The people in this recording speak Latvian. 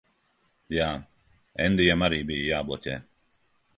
Jā. Endijam arī bija jābloķē.